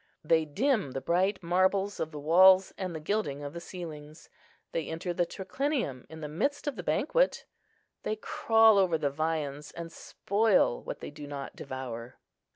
They dim the bright marbles of the walls and the gilding of the ceilings. They enter the triclinium in the midst of the banquet; they crawl over the viands and spoil what they do not devour.